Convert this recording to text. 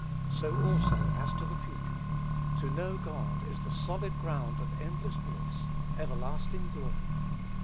So also as to the future. To know God is the solid ground of endless bliss, everlasting glory.